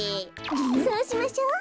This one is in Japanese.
そうしましょう。